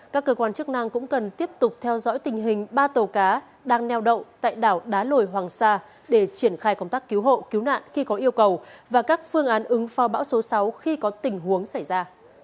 các cơ quan chức năng cũng cần tiếp tục theo dõi tình hình ba tàu cá đang neo đậu tại đảo đá lồi hoàng sa để triển khai công tác cứu hộ cứu nạn khi có yêu cầu và các phương án ứng phó bão số sáu khi có tình huống xảy ra